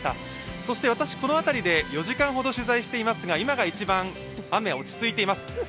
そして私、この辺りで４時間ほど取材していますが今が一番雨は落ち着いています。